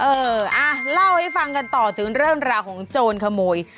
เอออ่ะเล่าให้ฟังกันต่อถึงเรื่องราวของโจรขโมย